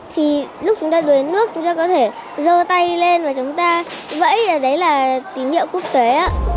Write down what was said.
thì lúc chúng ta đuối nước chúng ta có thể dơ tay lên và chúng ta vẫy đấy là tín hiệu quốc tế